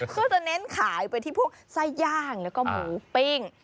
ซึ่งจะเน้นขายไปที่พวกไส้ย่างแล้วก็หมูปิ้ง